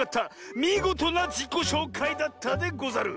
みごとなじこしょうかいだったでござる！